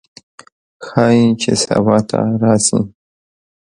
ښايي چې سبا ته راشي